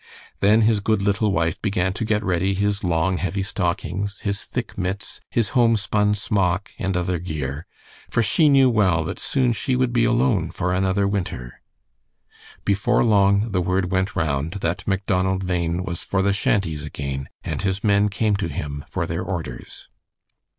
Then his good little wife began to get ready his long, heavy stockings, his thick mits, his homespun smock, and other gear, for she knew well that soon she would be alone for another winter. Before long the word went round that Macdonald Bhain was for the shanties again, and his men came to him for their orders.